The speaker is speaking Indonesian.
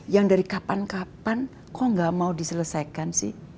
yang dari kapan kapan kok tidak mau diselesaikan sih